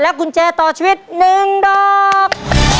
กุญแจต่อชีวิต๑ดอก